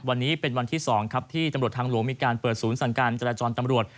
วันนี้เป็นวันที่๒ครับที่ตำรวจทางหลวงมีการเปิดศูนย์สั่งการจราจรตำรวจ